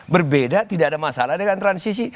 berbeda tidak ada masalah dengan transisi